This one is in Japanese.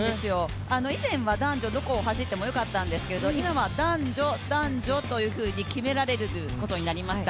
以前は男女どこを走ってもよかったんですけど、今は男女、男女と決められるということになりました。